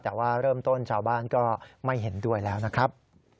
แต่ว่าเริ่มต้นชาวบ้านก็ไม่เห็นด้วยแล้วนะครับ